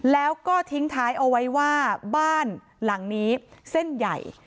แล้วก็ทิ้งท้ายเอาไว้ว่าบ้านหลังนี้เส้นใหญ่